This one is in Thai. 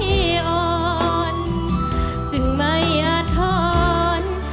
จึงมาตลอดเชื่อที่เรามาอยู่กันกันอีกนานพร้อมบ้านพร้อมรัส